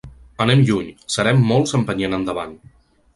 Anem lluny, serem molts empenyent endavant.